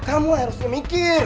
kamu harus berpikir